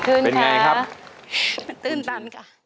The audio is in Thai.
เป็นตื่นตันค่ะ